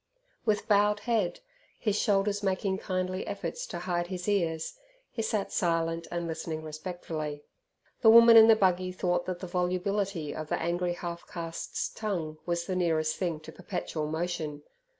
With bowed head, his shoulders making kindly efforts to hide his ears, he sat silent and listening respectfully. The woman in the buggy thought that the volubility of the angry half caste's tongue was the nearest thing to perpetual motion.